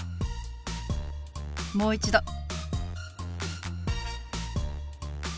もう一度。